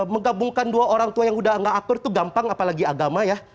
menggabungkan dua orang tua yang udah gak atur itu gampang apalagi agama ya